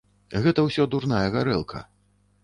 Гэта ўсё дурная гарэлка.